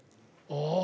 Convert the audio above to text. ああ！